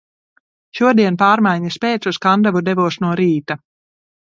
Šodien pārmaiņas pēc uz Kandavu devos no rīta.